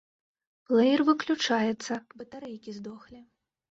Плэер выключаецца, батарэйкі здохлі.